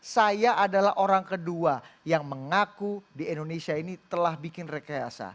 saya adalah orang kedua yang mengaku di indonesia ini telah bikin rekayasa